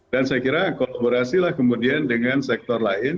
dan saya kira kolaborasilah kemudian dengan sektor lain